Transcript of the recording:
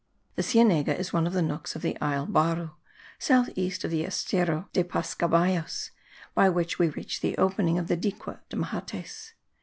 The Cienega is one of the nooks of the isle of Baru, south west of the Estero de Pasacaballos, by which we reach the opening of the Dique de Mahates.